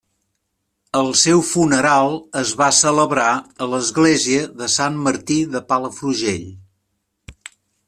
El seu funeral es va celebrar a l'església de Sant Martí de Palafrugell.